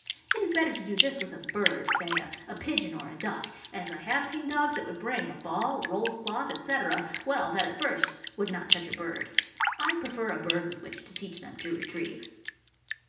It is better to do this with a bird, say a pigeon or a duck, as I have seen dogs that would bring a ball, roll of cloth, etc., well, that at. first would not touch a bird. I prefer a bird with which to teach them to retrieve.